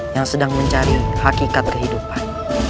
yang sedang mencari hakikat kehidupan